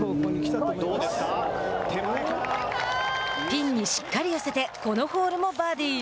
ピンにしっかり寄せてこのホールもバーディー。